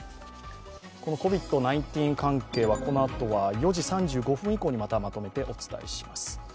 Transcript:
ＣＯＶＩＤ−１９関係は、このあとは４時３５分以降にまとめてお伝えします。